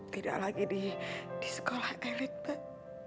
tidak lagi di sekolah elit pak